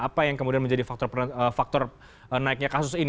apa yang kemudian menjadi faktor naiknya kasus ini